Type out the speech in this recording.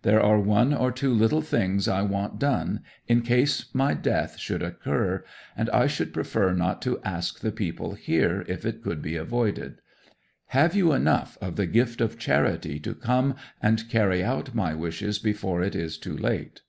There are one or two little things I want done, in case my death should occur, and I should prefer not to ask the people here, if it could be avoided. Have you enough of the gift of charity to come and carry out my wishes before it is too late?"